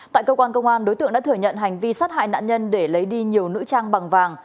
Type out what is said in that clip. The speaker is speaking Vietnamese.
tại cơ quan công an đối tượng đã thừa nhận hành vi sát hại nạn nhân để lấy đi nhiều nữ trang bằng vàng